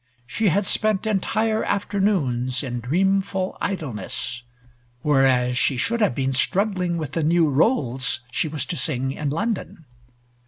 She had spent entire afternoons in dreamful idleness, whereas she should have been struggling with the new roles she was to sing in London.